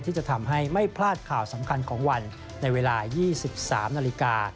ที่จะทำให้ไม่พลาดข่าวสำคัญของวันในเวลา๒๓นาฬิกา